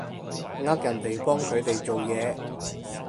呃人哋幫佢哋做嘢